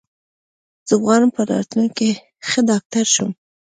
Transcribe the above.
زه غواړم په راتلونکې کې ښه ډاکټر شم.